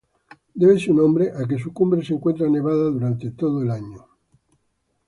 Debe su nombre a que su cumbre se encuentra nevada durante todo el año.